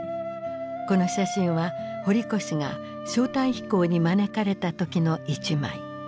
この写真は堀越が招待飛行に招かれた時の一枚。